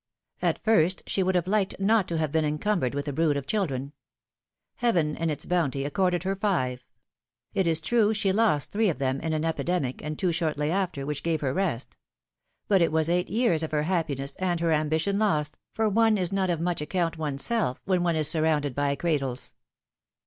At first she would have liked not to have been encum bered with a brood of children; Heaven in its bounty accorded her five : it is true, she lost three of them in an epidemic, and two shortly after, which gave her rest. But it was eight years of her happiness and her ambition lost, for one is not of much account one's self, when one is sur rounded bv cradles.